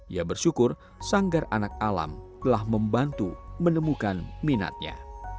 ia bersyukur sanggar anak alam telah membantu menemukan minatnya